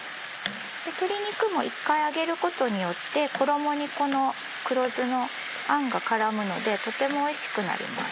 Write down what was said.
鶏肉も１回揚げることによって衣にこの黒酢のあんが絡むのでとてもおいしくなります。